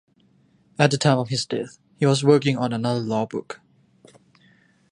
At the time of his death he was working on another law book.